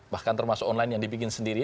bahkan termasuk online yang dibikin sendiri